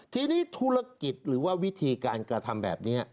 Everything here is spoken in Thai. ทีนี้ธุรกิจหรือว่าวิธีการกระทำแบบนี้